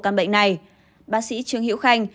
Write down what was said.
căn bệnh này bác sĩ trương hiễu khanh